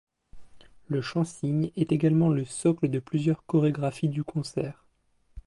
Le chansigne est également le socle de plusieurs chorégraphies du concert.